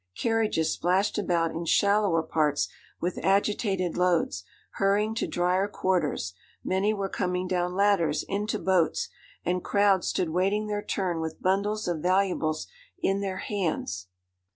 Carriages splashed about in shallower parts with agitated loads, hurrying to drier quarters; many were coming down ladders into boats, and crowds stood waiting their turn with bundles of valuables in their hands.